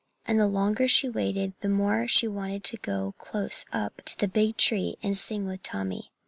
And the longer she waited the more she wanted to go close up to the big tree and sing with Tommy.